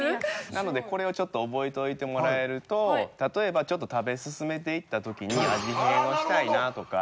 なのでこれをちょっと覚えといてもらえると例えばちょっと食べ進めていった時に味変をしたいなとか。